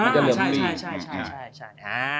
ใช่ใช่